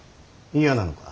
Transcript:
嫌なのか。